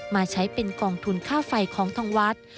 มาใช้เป็นกองทุนค่าไฟของทางวัด